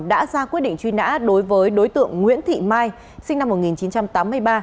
đã ra quyết định truy nã đối với đối tượng nguyễn thị mai sinh năm một nghìn chín trăm tám mươi ba